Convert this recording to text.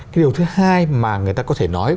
cái điều thứ hai mà người ta có thể nói